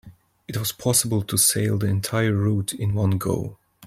It was possible to sail the entire route in one go.